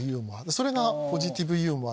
それがポジティブユーモア